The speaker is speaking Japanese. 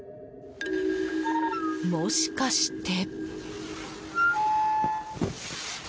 もしかして。